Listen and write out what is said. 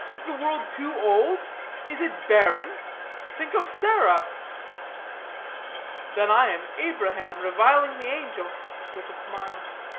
Is the world too old? Is it barren? Think of Sarah." "Then I am Abraham reviling the angel (with a smile).